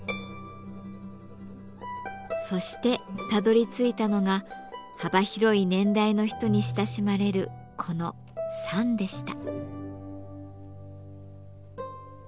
そしてたどりついたのが幅広い年代の人に親しまれるこのサンでした。